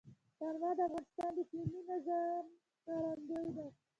تنوع د افغانستان د اقلیمي نظام ښکارندوی ده.